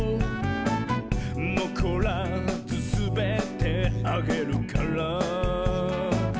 「のこらずすべてあげるから」